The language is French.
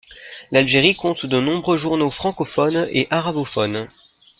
L'Algérie compte de nombreux journaux francophones et arabophones.